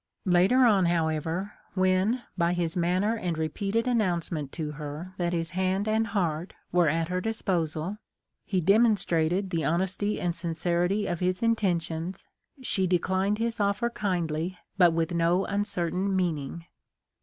Later on, however, when by his manner and repeated announcement to her that his hand and heart were at her disposal, he demon strated the honesty and sincerity of his intentions, she declined his offer kindly but with no uncertain meaning.